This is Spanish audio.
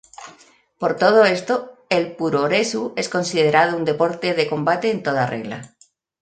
Por todo esto, el puroresu es considerado un deporte de combate en toda regla.